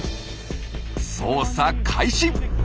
捜査開始！